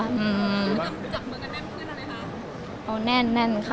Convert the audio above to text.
จับมือกันแน่นเพื่อนอะไรคะ